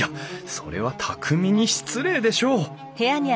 それは匠に失礼でしょう！